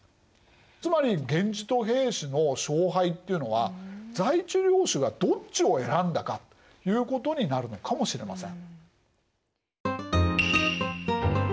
つまり源氏と平氏の勝敗っていうのは在地領主がどっちを選んだかということになるのかもしれません。